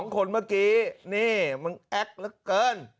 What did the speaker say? ๒คนเมื่อกี้นี่มันแอ๊กเกิน